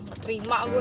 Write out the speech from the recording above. gak terima gue